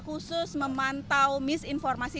khusus memantau misinformasi